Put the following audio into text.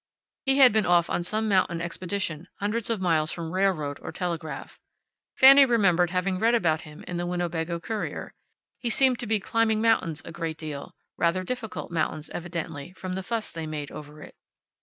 He had been off on some mountain expedition, hundreds of miles from railroad or telegraph. Fanny remembered having read about him in the Winnebago Courier. He seemed to be climbing mountains a great deal rather difficult mountains, evidently, from the fuss they made over it.